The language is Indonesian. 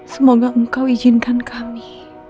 semoga engkau izinkan kami